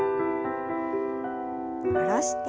下ろして。